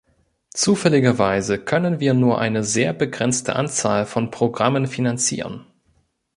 Zufälligerweise können wir nur eine sehr begrenzte Anzahl von Programmen finanzieren.